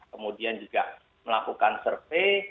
kemudian juga melakukan survei